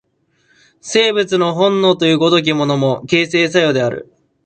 生物の本能という如きものも、形成作用である。